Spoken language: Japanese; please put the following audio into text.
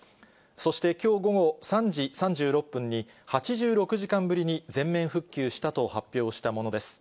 そしてきょう午後３時３６分に８６時間ぶりに全面復旧したと発表したものです。